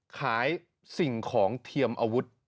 สิ่งของเทียมอาวุธ